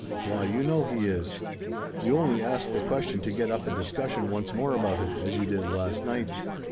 "Why, you know he is. You only ask the question to get up a discussion once more about it, as you did last night."